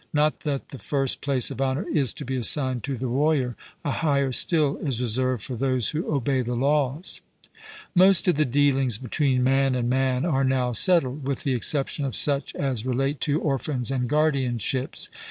Not that the first place of honour is to be assigned to the warrior; a higher still is reserved for those who obey the laws. Most of the dealings between man and man are now settled, with the exception of such as relate to orphans and guardianships.